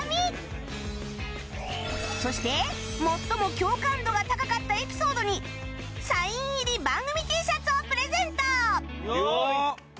そして最も共感度が高かったエピソードにサイン入り番組 Ｔ シャツをプレゼント！